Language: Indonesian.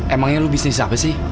emangnya lu bisnis apa sih